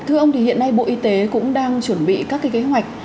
thưa ông thì hiện nay bộ y tế cũng đang chuẩn bị các cái kế hoạch